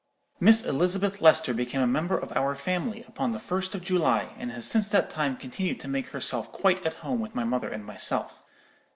Miss Elizabeth Lester became a member of our family upon the first of July, and has since that time continued to make herself quite at home with my mother and myself.